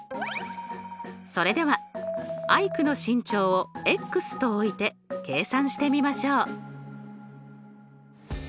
それではアイクの身長をと置いて計算してみましょう。